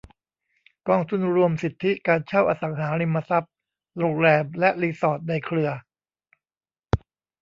กองทุนรวมสิทธิการเช่าอสังหาริมทรัพย์โรงแรมและรีสอร์ทในเครือ